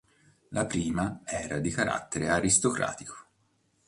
La prima era di carattere aristocratico.